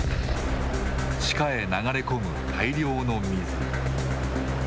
地下へ流れ込む大量の水。